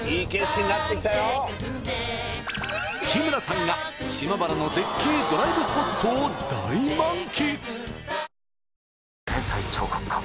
日村さんが島原の絶景ドライブスポットを大満喫！